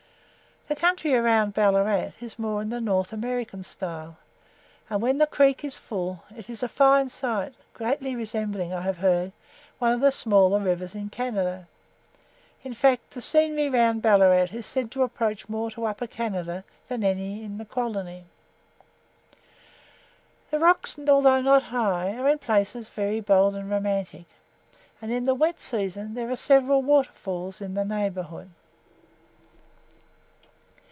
The country round Ballarat is more in the North American style, and when the creek is full, it is a fine sight, greatly resembling, I have beard, one of the smaller rivers in Canada; in fact, the scenery round Ballarat is said to approach more to Upper Canada than any in the colony. The rocks, although not high, are in places very bold and romantic, and in the wet season there are several water falls in the neighbourhood.